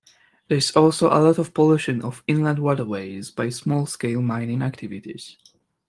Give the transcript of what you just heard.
There is also a lot of pollution of inland waterways by small-scale mining activities.